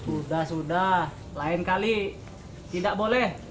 udah sudah lain kali tidak boleh